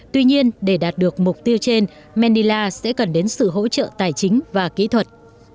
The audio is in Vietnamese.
tuy nhiên để đạt được mục tiêu trên manila sẽ cần đến sự hỗ trợ tài chính và kỹ thuật